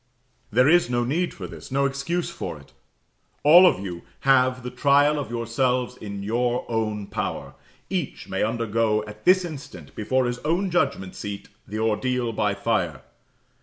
There is no need for this no excuse for it. All of you have the trial of yourselves in your own power; each may undergo at this instant, before his own judgment seat, the ordeal by fire.